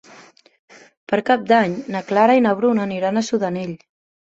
Per Cap d'Any na Clara i na Bruna aniran a Sudanell.